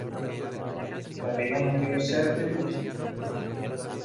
La riegan los ríos Serpis y sus distintos afluentes.